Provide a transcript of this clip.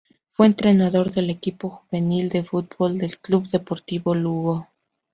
Fue entrenador del equipo juvenil de fútbol del Club Deportivo Lugo.